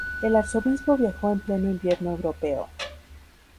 El arzobispo viajó en pleno invierno europeo.